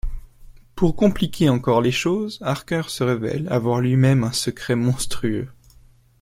Pour compliquer encore les choses, Harker se révèle avoir lui-même un secret monstrueux.